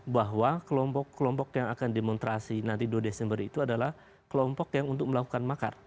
bahwa kelompok kelompok yang akan demonstrasi nanti dua desember itu adalah kelompok yang untuk melakukan makar